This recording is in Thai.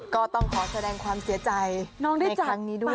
ก็ต้องขอแสดงความเสียใจในครั้งนี้ด้วย